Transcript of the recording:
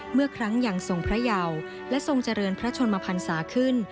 เมื่อครั้งอย่างทรงพระเยาและทรงเจริญพระชนมพันศาขึ้น